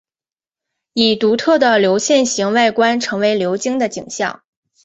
以独特的流线型外观成为流经的景象。